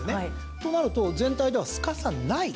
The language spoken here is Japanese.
となると全体では「すかさ、ない」。